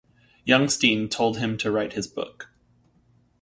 Youngstein told him to write his book.